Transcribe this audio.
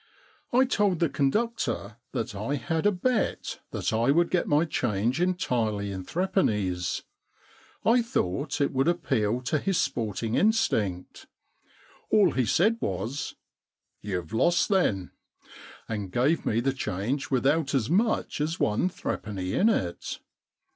I told the conductor that I had a bet that I would get my change entirely in threepennies. I thought it would appeal to his sporting instinct. All he said was, *' YouVe lost, then, and gave mc the change without as much as one threepenny in it.